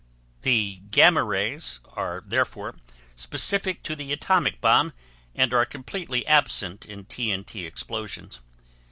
The gamma rays are therefore specific to the atomic bomb and are completely absent in T.N.T. explosions.